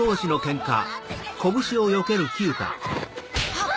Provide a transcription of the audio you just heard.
はっ！